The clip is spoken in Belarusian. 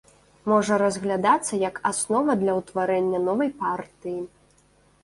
Можа разглядацца як аснова для ўтварэння новай партыі.